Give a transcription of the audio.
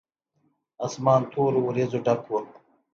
اسمان تورو وريځو ډک و.